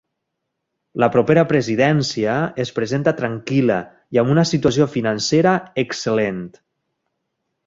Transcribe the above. La propera presidència es presenta tranquil·la i amb una situació financera excel·lent.